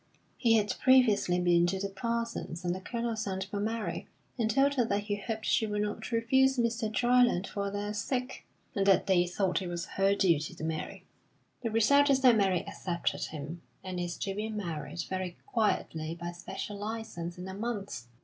He had previously been to the Parsons, and the Colonel sent for Mary, and told her that he hoped she would not refuse Mr. Dryland for their sake, and that they thought it was her duty to marry. The result is that Mary accepted him, and is to be married very quietly by special license in a month.